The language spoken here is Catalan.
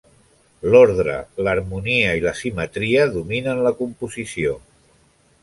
L'ordre, l'harmonia i la simetria dominen la composició.